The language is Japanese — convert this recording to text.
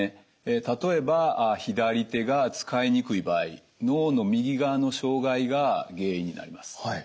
例えば左手が使いにくい場合脳の右側の障害が原因になります。